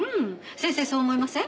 先生そう思いません？